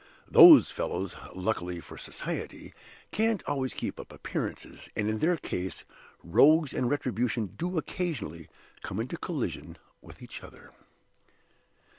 Those fellows, luckily for society, can't always keep up appearances; and, in their case, Rogues and Retribution do occasionally come into collision with each other."